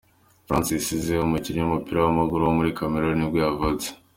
Francis Zé, umukinnyi w’umupira w’amaguru wo muri Cameroon nibwo yavutse.